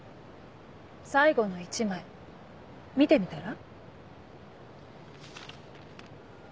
最後の１枚見てみたら？